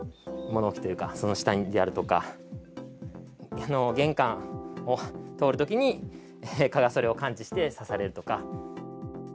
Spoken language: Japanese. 物置というか、その下であるとか、玄関を通るときに、蚊がそれを感知して刺されるとか。